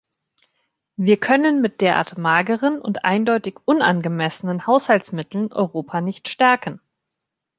Wir können mit derart mageren und eindeutig unangemessenen Haushaltsmitteln Europa nicht stärken.